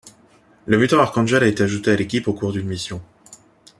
Le mutant Archangel a été ajouté à l'équipe au cours d'une mission.